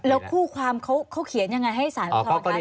แล้วคู่ความเขาเขียนยังไงให้สารอุทรคะ